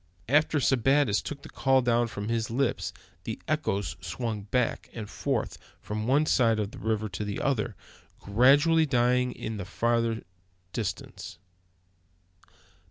After Sebattis took the call down from his lips the echoes swung back and forth from one side of the river to the other, gradually dying away in the far distance.